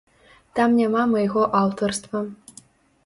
Там няма майго аўтарства.